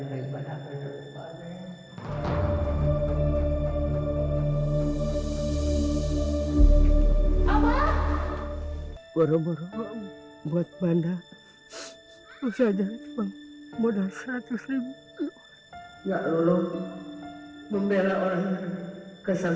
apa apa buat bandar bandar saja modal seratus ya lho membela orang kesal kesal